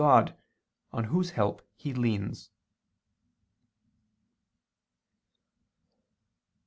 God, on Whose help he leans.